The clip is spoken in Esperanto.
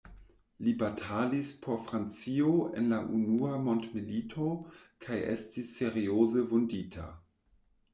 Li batalis por Francio en la Unua Mondmilito kaj estis serioze vundita.